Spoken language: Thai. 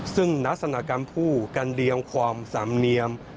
ซึ่งนักศนาการผู้กันเรียงความสำเนียม